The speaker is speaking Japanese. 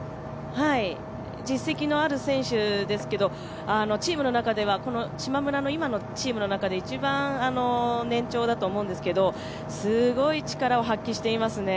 実績のある選手ですけど、チームの中ではしまむらの今のチームの中で一番年長だと思うんですけどすごい力を発揮していますね。